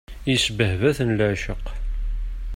Isbehba-ten leεceq.